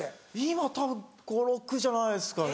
今たぶん５６じゃないですかね。